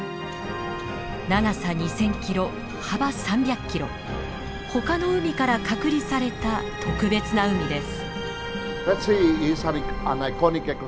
長さ２，０００キロ幅３００キロほかの海から隔離された特別な海です。